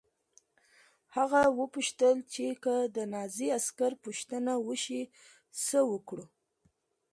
هغه وپوښتل چې که د نازي عسکر پوښتنه وشي څه وکړو